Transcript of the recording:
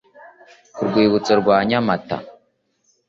ku rwibutso rwa nyamata